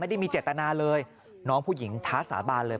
ไม่ได้มีเจตนาเลยน้องผู้หญิงท้าสาบานเลย